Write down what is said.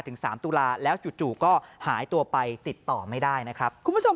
ถึง๓ตุลาแล้วจู่ก็หายตัวไปติดต่อไม่ได้นะครับคุณผู้ชม